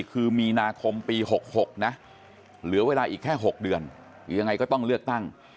คือมีนาคมปี๖๖นะเหลือเวลาอีกแค่๖เดือนหรือยังไงก็ต้องเลือกตั้ง